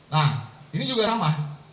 nah ini juga sama